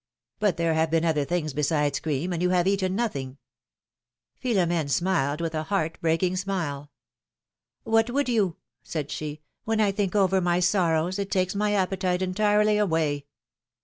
But there have been other things besides cream, and you have eaten nothing !" PHILOMfiXE'S MARRIAGES. 93 Philom^ne smiled with a heart breaking smile. What would you ? said she. When I think over my sorrows, it takes my appetite entirely away.